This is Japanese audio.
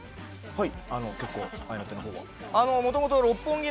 はい。